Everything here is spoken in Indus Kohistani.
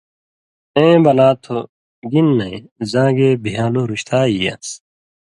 اېں بنا تُھو: گِن نَیں! زاں گے بِھیان٘لو رُشتا ای یان٘س